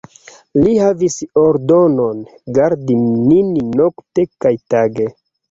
Li havis ordonon, gardi nin nokte kaj tage.